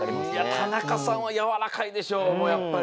田中さんはやわらかいでしょやっぱり。